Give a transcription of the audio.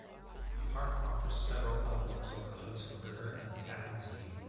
The park offers several outlooks over the Hudson River and the Tappan Zee.